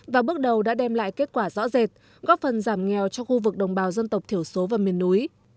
và bước đầu đã đem lại kết quả rõ rệt góp phần giảm nghèo cho khu vực đồng bào dân tộc thiểu số và miền núi